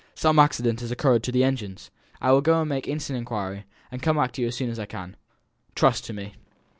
"Some accident has occurred to the engines. I will go and make instant inquiry, and come back to you as soon as I can. Trust to me."